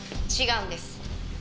違うんです。